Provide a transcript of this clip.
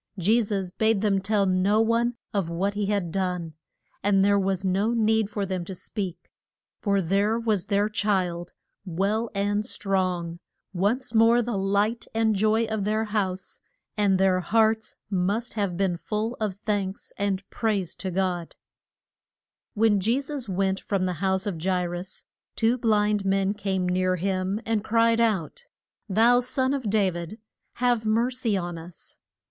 Je sus bade them tell no one of what he had done, and there was no need for them to speak. For there was their child, well and strong, once more the light and joy of their house, and their hearts must have been full of thanks and praise to God! [Illustration: THE DAU GHTER OF JA I RUS.] When Je sus went from the house of Ja i rus two blind men came near him and cried out, Thou Son of Da vid have mer cy on us.